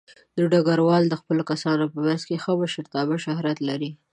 ډګروال د خپلو کسانو په منځ کې د ښه مشرتابه شهرت لري.